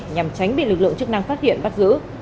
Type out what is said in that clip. nhằm tránh bị lực lượng chức năng phát hiện bắt giữ